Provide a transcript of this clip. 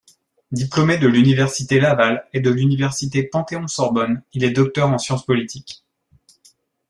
Diplômé de l'Université Laval et de l'Université Panthéon-Sorbonne, il est docteur en science politique.